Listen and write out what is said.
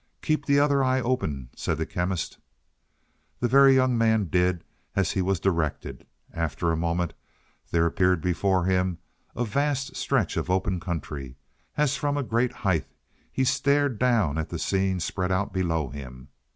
"Keep the other eye open," said the Chemist. The Very Young Man did as he was directed. After a moment there appeared before him a vast stretch of open country. As from a great height he stared down at the scene spread out below him.